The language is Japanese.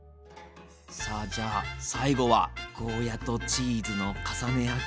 さあじゃあ最後はゴーヤーとチーズの重ね焼き。